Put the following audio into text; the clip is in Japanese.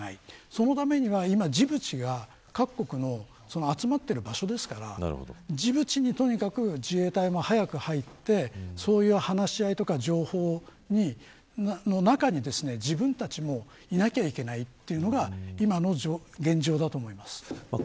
そのためには、今ジブチが各国の集まっている場所ですからジブチにとにかく自衛隊も早く入ってそういう話し合いとか情報の中に、自分たちもいなきゃいけない、というのが今の現状だと思います。